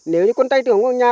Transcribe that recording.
nếu như con tay tưởng con nhà